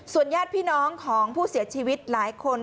ญาติพี่น้องของผู้เสียชีวิตหลายคน